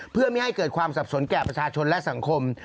เพื่อไม่ให้เกิดความสับสนแก่ประชาชนและสังคม